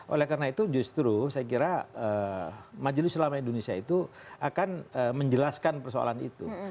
oleh karena itu justru saya kira majelis selama indonesia itu akan menjelaskan persoalan itu